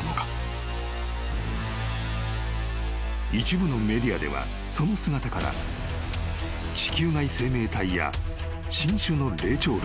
［一部のメディアではその姿から地球外生命体や新種の霊長類］